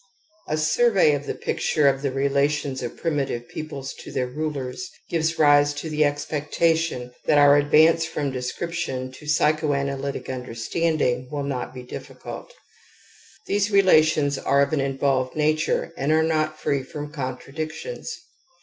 A survey of the picture of the relations of primitive peoples to their rulers gives rise to the expectation that our advance from description to psychoanalytic understanding will not be difficult. These relations are of an involved nature and are not free from contradictions.